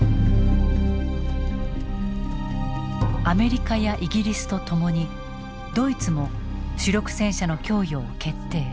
アメリカやイギリスとともにドイツも主力戦車の供与を決定。